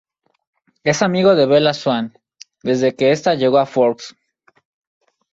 Es amigo de Bella Swan desde que esta llegó a Forks.